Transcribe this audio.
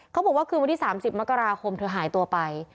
เขาบอกว่าคืนวันที่สามสิบมกราคมเธอหายตัวไป